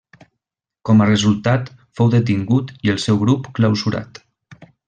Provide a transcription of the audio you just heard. Com a resultat, fou detingut i el seu grup clausurat.